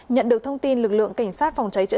nhận được thông tin lực lượng cảnh sát phòng cháy trở lại